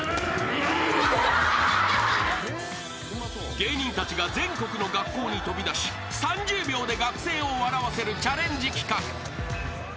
［芸人たちが全国の学校に飛び出し３０秒で学生を笑わせるチャレンジ企画］